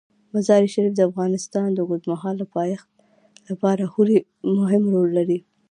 مزارشریف د افغانستان د اوږدمهاله پایښت لپاره خورا مهم رول لري.